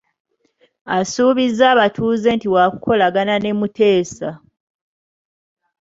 Asuubizza abatuuze nti waakukolagana ne Muteesa.